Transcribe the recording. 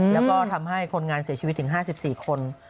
แล้วก็ทำให้คนงานเสียชีวิตถึง๕๔คน